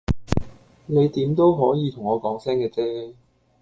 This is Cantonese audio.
你點都可以同我講聲嘅啫